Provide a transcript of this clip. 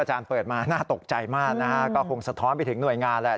อาจารย์เปิดมาน่าตกใจมากนะก็คงสะท้อนไปถึงหน่วยงานแล้ว